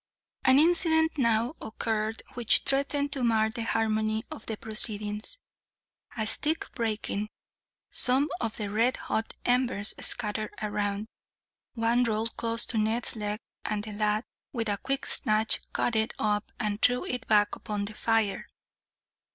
An incident now occurred which threatened to mar the harmony of the proceedings. A stick breaking, some of the red hot embers scattered round. One rolled close to Ned's leg, and the lad, with a quick snatch, caught it up and threw it back upon the fire.